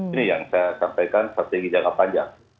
ini yang saya sampaikan saat ini jangka panjang